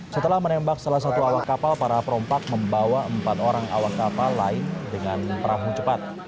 setelah menembak salah satu awak kapal para perompak membawa empat orang awak kapal lain dengan perahu cepat